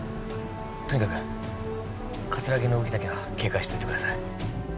とにかく葛城の動きだけは警戒しておいてください